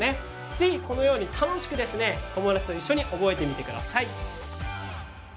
ぜひ、このように楽しくですね友達と一緒に覚えてみてください。